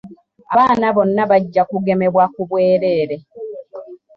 Abaana bonna bajja kugemebwa ku bwereere.